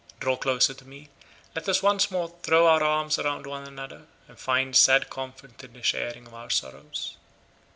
Draw closer to me, let us once more throw our arms around one another, and find sad comfort in the sharing of our sorrows."